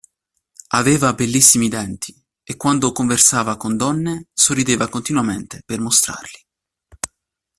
Aveva bellissimi denti e quando conversava con donne sorrideva continuamente per mostrarli.